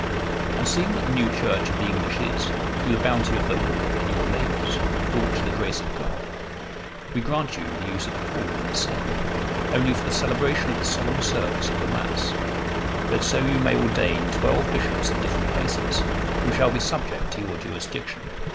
And, seeing that the new Church of the English is, through the bounty of the Lord, and your labours, brought to the grace of God, we grant you the use of the pall in the same, only for the celebration of the solemn service of the Mass; that so you may ordain twelve bishops in different places, who shall be subject to your jurisdiction.